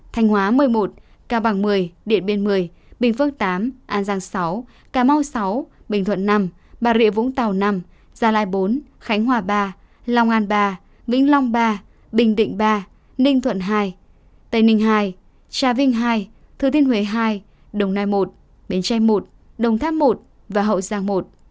thành hóa một mươi một cao bằng một mươi điện biên một mươi bình phước tám an giang sáu cà mau sáu bình thuận năm bà rịa vũng tàu năm gia lai bốn khánh hòa ba lòng an ba vĩnh long ba bình định ba ninh thuận hai tây ninh hai trà vinh hai thư thiên huế hai đồng nai một bến tre một đồng tháp một hậu giang một